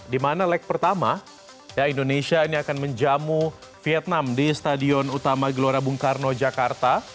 di mana leg pertama indonesia ini akan menjamu vietnam di stadion utama gelora bung karno jakarta